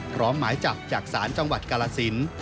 หมายจับจากศาลจังหวัดกาลสิน